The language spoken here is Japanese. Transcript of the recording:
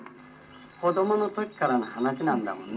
子どもの時からの話なんだもんね。